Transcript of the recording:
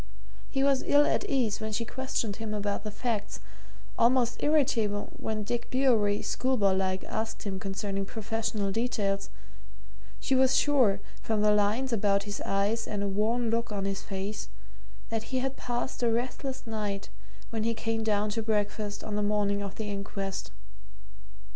He was ill at ease when she questioned him about the facts; almost irritable when Dick Bewery, schoolboy like, asked him concerning professional details; she was sure, from the lines about his eyes and a worn look on his face, that he had passed a restless night when he came down to breakfast on the morning of the inquest.